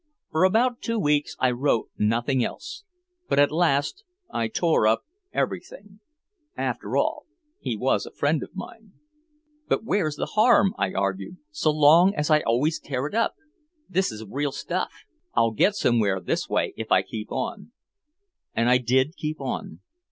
For about two weeks I wrote nothing else. But at last I tore up everything. After all, he was a friend of mine. "But where's the harm," I argued, "so long as I always tear it up? This is real stuff. I'll get somewhere this way if I keep on." And I did keep on.